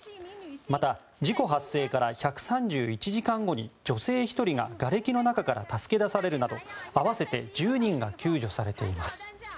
また、事故発生から１３１時間後に女性１人ががれきの中から助け出されるなど合わせて１０人が救助されています。